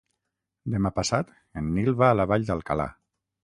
Demà passat en Nil va a la Vall d'Alcalà.